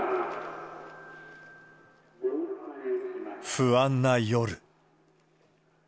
不安な夜。